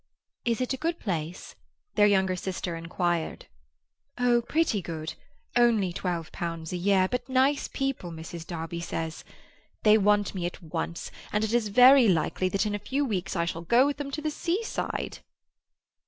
"Is it a good place?" their younger sister inquired. "Oh, pretty good. Only twelve pounds a year, but nice people, Mrs. Darby says. They want me at once, and it is very likely that in a few weeks I shall go with them to the seaside."